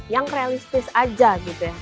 yang realistis aja gitu ya